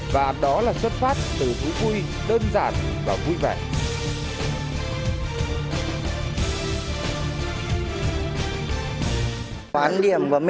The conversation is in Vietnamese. và đó là xuất phát từ thú vui đơn giản và vui vẻ